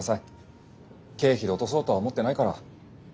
経費で落とそうとは思ってないから。